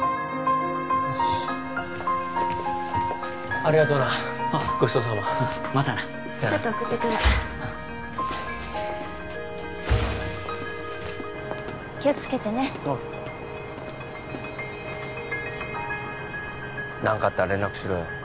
ありがとうなごちそうさままたなちょっと送ってくるから気をつけてねああ何かあったら連絡しろよ・